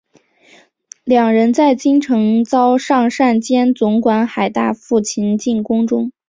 两人在京城遭尚膳监总管海大富擒进宫中。